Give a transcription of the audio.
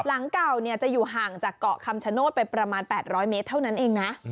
หลังเก่าจะอยู่ห่างจากเกาะคำชโนธไปประมาณ๘๐๐เมตรเท่านั้นเองนะ